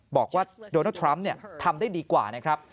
บอกว่าโดนัลดทรัมป์ทำได้ดีกว่านะครับ